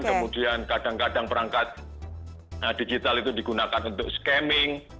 kemudian kadang kadang perangkat digital itu digunakan untuk scamming